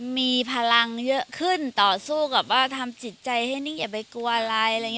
มีพลังเยอะขึ้นต่อสู้กับว่าทำจิตใจให้นิยะไปกัวอะไร